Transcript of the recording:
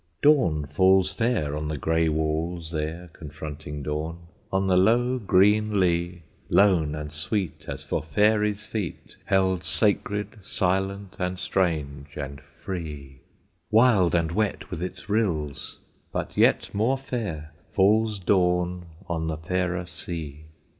Dawn falls fair on the grey walls there confronting dawn, on the low green lea, Lone and sweet as for fairies' feet held sacred, silent and strange and free, Wild and wet with its rills; but yet more fair falls dawn on the fairer sea.